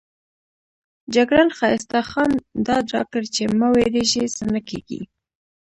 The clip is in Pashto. جګړن ښایسته خان ډاډ راکړ چې مه وېرېږئ څه نه کېږي.